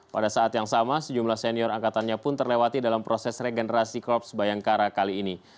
pada saat yang sama sejumlah senior angkatannya pun terlewati dalam proses regenerasi korps bayangkara kali ini